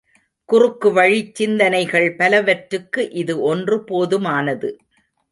குறுக்குவழிச் சிந்தனைகள் பலவற்றுக்கு இது ஒன்று போதுமானது.